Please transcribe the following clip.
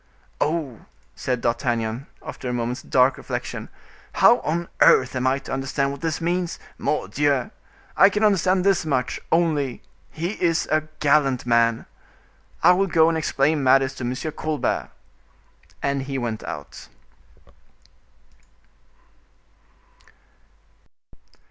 "Oh!" said D'Artagnan, after a moment's dark reflection. "How on earth am I to understand what this means? Mordioux! I can understand this much, only: he is a gallant man! I will go and explain matters to M. Colbert." And he went out.